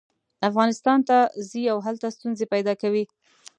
افغانستان ته ځي او هلته ستونزې پیدا کوي.